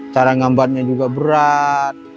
cara ngambatnya juga berat